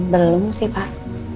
belum sih pak